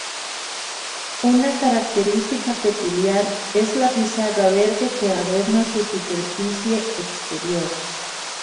Una característica peculiar es la pizarra verde que adorna su superficie exterior.